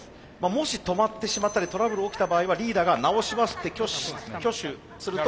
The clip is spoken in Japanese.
もし止まってしまったりトラブル起きた場合はリーダーが「直します」って挙手すると。